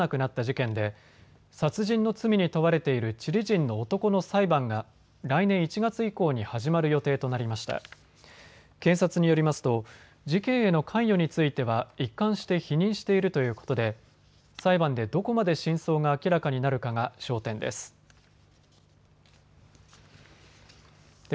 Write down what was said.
検察によりますと事件への関与については一貫して否認しているということで裁判でどこまで真相が明らかになるかが焦点です。